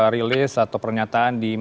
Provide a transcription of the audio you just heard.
release atau pernyataan